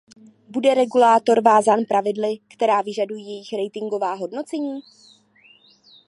Bude regulátor vázán pravidly, která vyžadují jejich ratingová hodnocení?